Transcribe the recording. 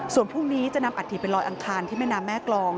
ส่วนพรุ่งนี้จะนำอัฐิไปลอยอังคารที่แม่น้ำแม่กรอง